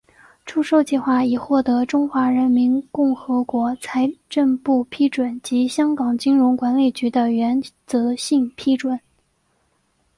出售计划已获得中华人民共和国财政部批准及香港金融管理局的原则性批准。